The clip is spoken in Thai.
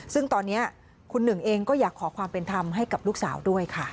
ซึ่งตอนนี้คุณหนึ่งเองก็อยากขอความเป็นธรรมให้กับลูกสาวด้วยค่ะ